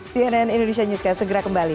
cnn indonesia newscast segera kembali